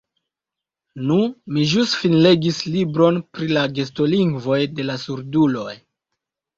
Nu, mi ĵus finlegis libron pri la gestolingvoj de la surduloj.